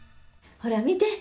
ほら見て！